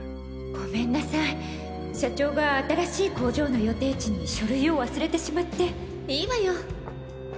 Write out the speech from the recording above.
ごめんなさい社長が新しい工場の予定地に書類を忘れてしまっていいわよ